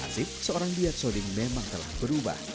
asyik seorang biar soding memang telah berubah